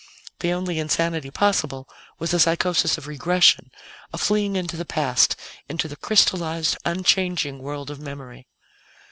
The only insanity possible was the psychosis of regression, a fleeing into the past, into the crystallized, unchanging world of memory.